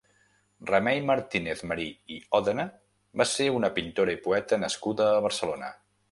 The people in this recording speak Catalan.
Remei Martínez-Marí i Òdena va ser una pintora i poeta nascuda a Barcelona.